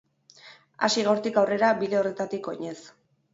Hasi gaurtik aurrera bide horretatik oinez.